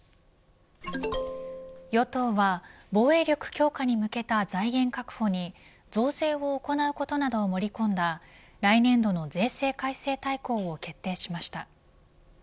与党は防衛力強化に向けた財源確保に増税を行うことなどを盛り込んだ来年度の税制改正大綱を決定しました。